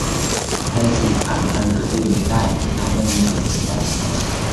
ไทยขื่นขัน อันหาที่สิ้นสุดมิได้ "นิทานเรื่องนี้สอนให้รู้ว่า"